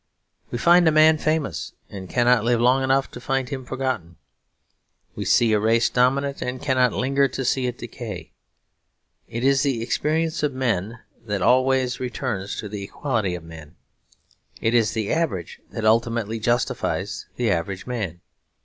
We find a man famous and cannot live long enough to find him forgotten; we see a race dominant and cannot linger to see it decay. It is the experience of men that always returns to the equality of men; it is the average that ultimately justifies the average man.